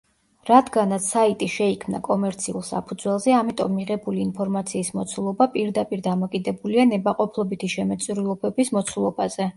რადგანაც საიტი შეიქმნა კომერციულ საფუძველზე, ამიტომ მიღებული ინფორმაციის მოცულობა პირდაპირ დამოკიდებულია ნებაყოფლობითი შემოწირულობების მოცულობაზე.